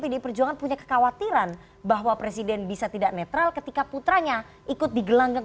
pdi perjuangan punya kekhawatiran bahwa presiden bisa tidak netral ketika putranya ikut digelanggang